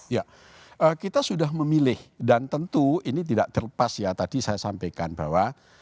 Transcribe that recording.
ya kita sudah memilih dan tentu ini tidak terlepas ya tadi saya sampaikan bahwa